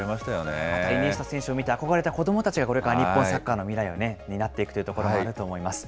あとイニエスタ選手を見て憧れた子どもたちが、これから日本サッカーの未来を担っていくというところもあると思います。